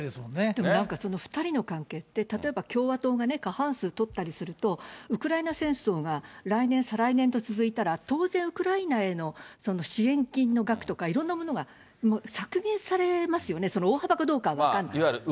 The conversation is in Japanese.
でもなんか２人の関係って、例えば共和党がね、過半数取ったりすると、ウクライナ戦争が来年、再来年と続いたら、当然、ウクライナへの支援金の額とか、いろんなものがもう削減されますよね、大幅かどうか分かんないけど。